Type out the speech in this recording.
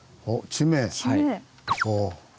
地名。